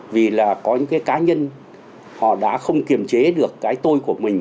vì là có những cái cá nhân họ đã không kiềm chế được cái tôi của mình